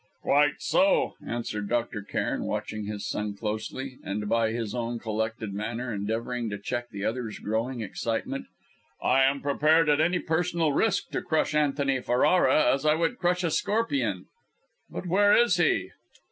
"Quite so," answered Dr. Cairn, watching his son closely, and, by his own collected manner, endeavouring to check the other's growing excitement. "I am prepared at any personal risk to crush Antony Ferrara as I would crush a scorpion; but where is he?"